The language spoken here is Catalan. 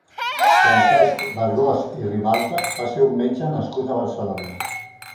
Francesc Bergós i Ribalta va ser un metge nascut a Barcelona.